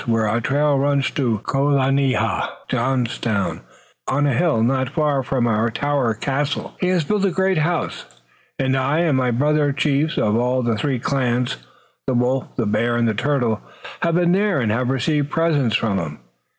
Where our trail runs to Kolaneha (Johnstown) on a hill not far from our tower castle he has built a great house, and I and my brother chiefs of all the three clans the Wolf, the Bear and the Turtle, have been there and have received presents from him.